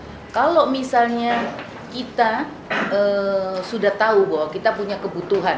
nah kalau misalnya kita sudah tahu bahwa kita punya kebutuhan